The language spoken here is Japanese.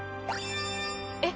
えっ？